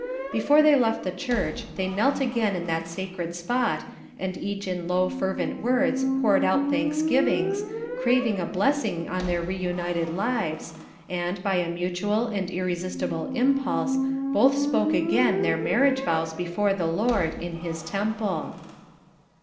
Before they left the church they knelt again in that sacred spot, and each in low fervent words poured out thanksgivings, craving a blessing on their reunited lives, and, by a mutual and irresistible impulse, both spoke again their marriage vows before the Lord, in his temple.